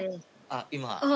あっ今あ